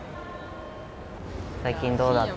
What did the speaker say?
最近どうだった？